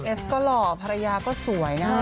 เอสก็หล่อภรรยาก็สวยนะ